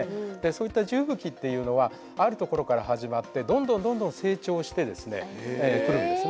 そういった地吹雪というのはある所から始まってどんどんどんどん成長してですね来るんですね。